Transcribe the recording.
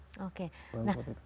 bisa internet sudah cukup gitu